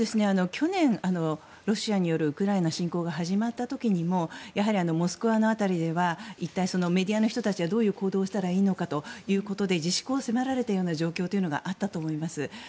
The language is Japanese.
去年、ロシアによるウクライナ侵攻が始まった時にもやはりモスクワの辺りでは一体メディアの人たちはどういう行動をしたらいいのかということで自粛を迫られた状況があったと思います。